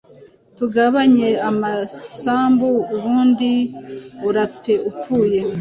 tugabanye amasambu ubundi urapfe upfuye